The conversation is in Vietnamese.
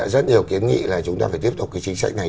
rất nhiều kiến nghị là chúng ta phải tiếp tục cái chính sách này